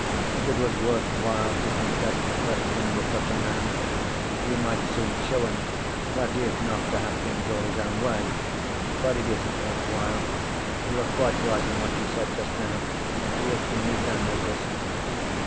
If it was worth while to contest the question with such a man, we might soon show him that he is not to have things all his own way. But it isn't worth while. You were quite right in what you said just now; he is beneath our notice."